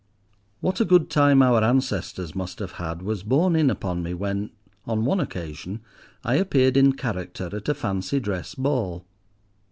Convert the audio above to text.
What a good time our ancestors must have had was borne in upon me when, on one occasion, I appeared in character at a fancy dress ball.